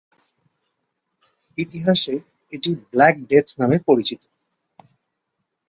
ইতিহাসে এটি black death নামে পরিচিত।